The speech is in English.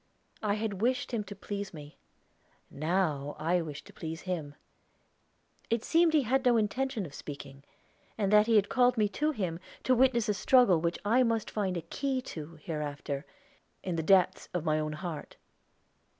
I had wished him to please me; now I wished to please him. It seemed that he had no intention of speaking, and that he had called me to him to witness a struggle which I must find a key to hereafter, in the depths of my own heart.